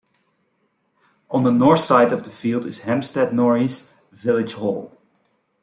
On the north side of the field is Hampstead Norreys Village Hall.